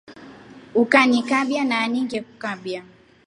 Ukanyikaba nani ngekukaba.